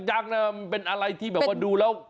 โอ๊ยยึกยักเป็นอะไรที่ดูแล้ว